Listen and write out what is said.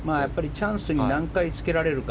チャンスに何回つけられるか。